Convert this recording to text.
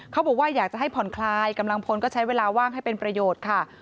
เขาบอกว่าอยากจะให้ผ่อนคลายกำลังพลก็ใช้เวลาว่างให้เป็นประโยชน์ค่ะ